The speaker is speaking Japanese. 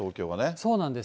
そうなんです。